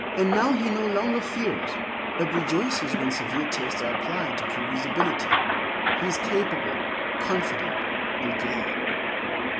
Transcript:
And now he no longer fears, but rejoices when severe tests are applied to prove his ability. He is capable, confident, and glad.